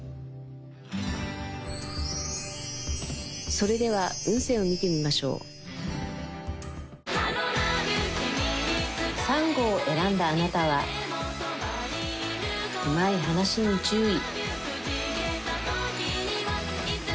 それでは運勢を見てみましょうサンゴを選んだあなたはうまい話に注意